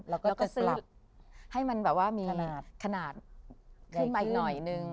แล้วก็ซื้อให้มันแบบว่ามีขนาดขึ้นมาอีกหน่อยหนึ่ง